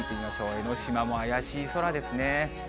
江の島も怪しい空ですね。